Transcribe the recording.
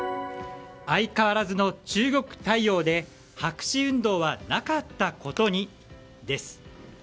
相変わらずの中国対応で白紙運動はなかったことに、です。